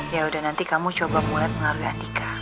ya udah nanti kamu coba mulai pengaruhi andika